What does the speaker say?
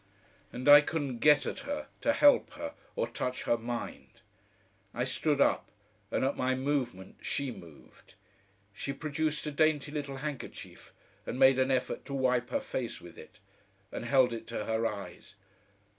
And I couldn't get at her, to help her, or touch her mind! I stood up, and at my movement she moved. She produced a dainty little handkerchief, and made an effort to wipe her face with it, and held it to her eyes.